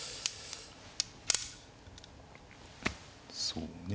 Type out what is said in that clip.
そうね